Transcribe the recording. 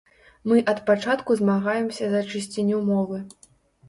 Мы ад пачатку змагаемся за чысціню мовы.